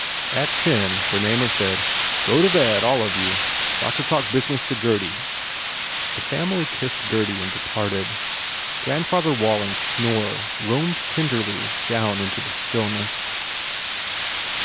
At ten Bernamer said, u Go to bed, all of you. Got to talk business to Gurdy." The family kissed Gurdy and departed. Grandfather Walling s snore roamed tenderly down into the stillness.